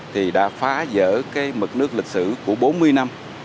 thì đã phá dỡ cái mực nước lịch sử của bốn mươi năm